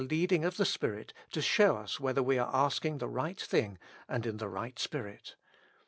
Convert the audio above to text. leading of the Spirit to show us whether we are asking the right thing and in the right spirit.